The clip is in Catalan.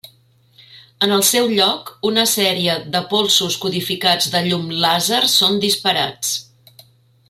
En el seu lloc, una sèrie de polsos codificats de llum làser són disparats.